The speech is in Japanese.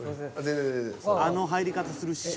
あの入り方する師匠